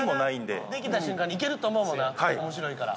これがなできた瞬間にいけると思うもんな面白いから。